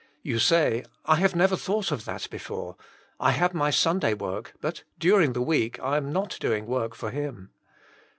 You say, *< I have never thought of that before. I have my Sunday work, but during the week I am not doing work for Him.